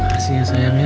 makasih ya sayangnya